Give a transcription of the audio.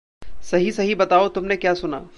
सही सही बताओ तुमने क्या सुना।